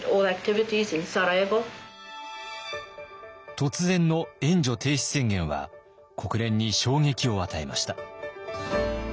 突然の援助停止宣言は国連に衝撃を与えました。